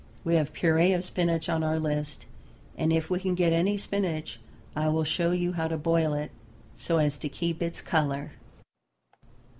We have puree of spinach on our list, and if we can get any spinach I will show you how to boil it so as to keep its color.